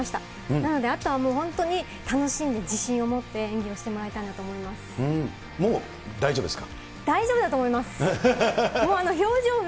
なのであとはもう本当に、楽しんで自信を持って演技をしてもらいもう大丈夫ですか？